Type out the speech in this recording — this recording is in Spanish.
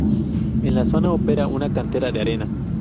En la zona opera una cantera de arena.